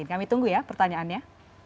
kami tunggu ya pertanyaannya